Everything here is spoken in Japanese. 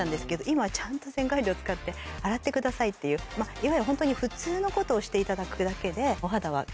いわゆるホントに普通のことをしていただくだけで。